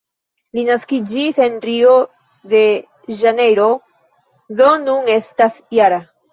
Li naskiĝis en Rio-de-Ĵanejro, do nun estas -jara.